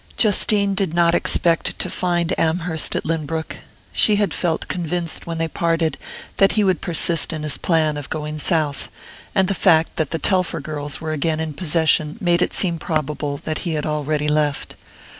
Justine did not expect to find Amherst at Lynbrook. She had felt convinced, when they parted, that he would persist in his plan of going south; and the fact that the Telfer girls were again in possession made it seem probable that he had already left.